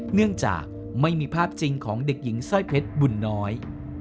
เนื่องจากไม่มีภาพจริงของเด็กหญิงสร้อยเพชรบุญน้อย